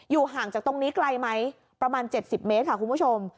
ห่างจากตรงนี้ไกลไหมประมาณ๗๐เมตรค่ะคุณผู้ชม